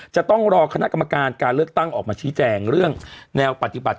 จะต้องรอคณะกรรมการการเลือกตั้งออกมาชี้แจงเรื่องแนวปฏิบัติ